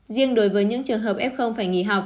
riêng đối với những trường hợp f phải nghỉ học